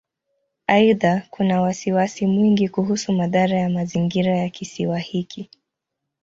Aidha, kuna wasiwasi mwingi kuhusu madhara ya mazingira ya Kisiwa hiki.